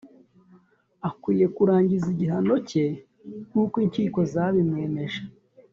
"Akwiye kurangiza igihano cye uko inkiko zabimwemeje